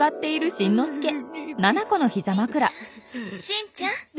しんちゃん。